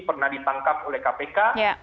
pernah ditangkap oleh kpk